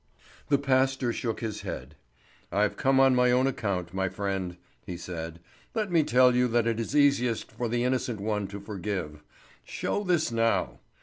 The pastor shook his head. "I've come on my own account, my friend," he said. "Let me tell you that it is easiest for the innocent one to forgive. Show this now.